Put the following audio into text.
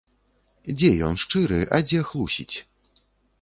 Дзе ён шчыры, а дзе хлусіць?